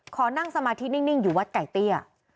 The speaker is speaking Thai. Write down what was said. ขอนั่งสมาธินิ่งอยู่วัดไก่เตี้ย